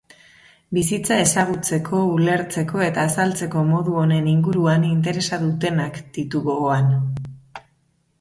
Bizitza ezagutzeko, ulertzeko eta azaltzeko modu honen inguruan interesa dutenak ditu gogoan.